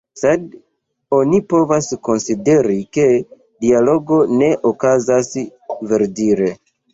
Sed, oni povas konsideri ke dialogo ne okazas, verdire.